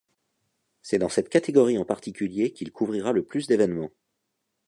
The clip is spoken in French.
C’est dans cette catégorie en particulier qu’il couvrira le plus d’événements.